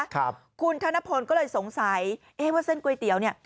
คุณธนพลก็เลยสงสัยว่าเส้นก๋วยเตี๋ยวเนี่ย